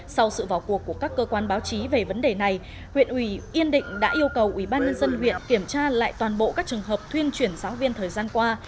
sau sự vào cuộc của các cơ quan báo chí về vấn đề này huyện yên định đã yêu cầu ubnd huyện kiểm tra lại toàn bộ các trường hợp thuyên chuyển giáo viên thời gian qua